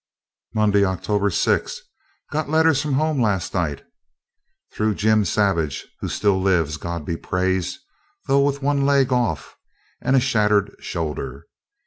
Monday, October 6. Got letters from home last night, through Jim Savage, who still lives, God be praised! though with one leg off, and a shattered shoulder.